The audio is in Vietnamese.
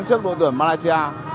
trước đội tuyển malaysia